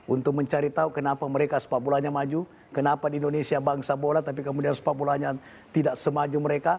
untuk mencari tahu kenapa mereka sepak bolanya maju kenapa di indonesia bangsa bola tapi kemudian sepak bolanya tidak semaju mereka